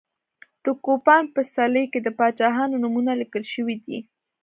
د کوپان په څلي کې د پاچاهانو نومونه لیکل شوي دي.